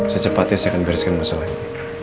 secepatnya saya akan bereskan masalah ini